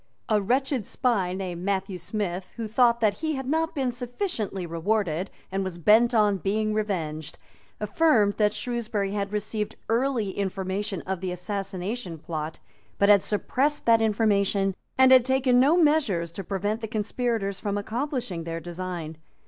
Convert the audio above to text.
A wretched spy named Matthew Smith, who thought that he had not been sufficiently rewarded, and was bent on being revenged, affirmed that Shrewsbury had received early information of the Assassination Plot, but had suppressed that information, and had taken no measures to prevent the conspirators from accomplishing their design.